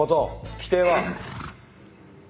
規定は？